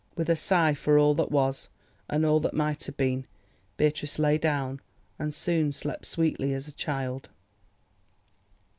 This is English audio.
With a sigh for all that was, and all that might have been, Beatrice lay down and soon slept sweetly as a child.